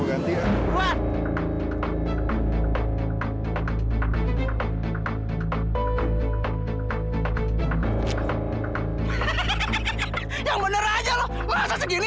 yang bener aja lo masa segini